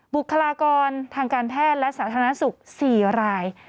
บุคลากรทางการแพทย์และสาธารณสุข๔ราย